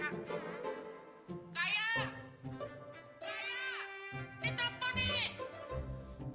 kak ayah kak ayah di telpon nih